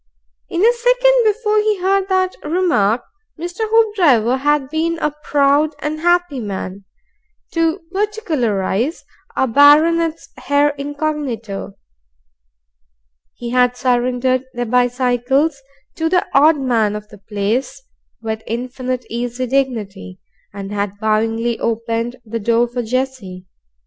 In the second before he heard that remark, Mr. Hoopdriver had been a proud and happy man, to particularize, a baronet's heir incognito. He had surrendered their bicycles to the odd man of the place with infinite easy dignity, and had bowingly opened the door for Jessie.